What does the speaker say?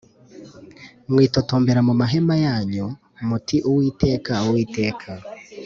Mwitotombera mu mahema yanyu muti Uwiteka uwiteka